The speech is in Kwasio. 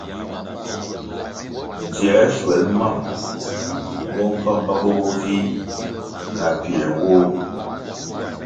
Dziē shwel mam bo mbpambpambo bo vih na piē nwoh.